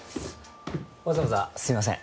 わざわざすみません。